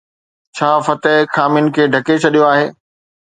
ڇا فتح خامين کي ڍڪي ڇڏيو آهي؟